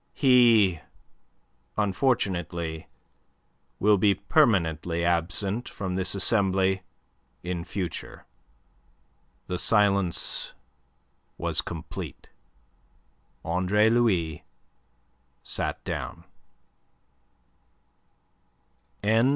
He, unfortunately, will be permanently absent from this Assembly in future." The silence was complete. Andre Louis sat down.